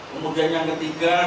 kemudian yang ketiga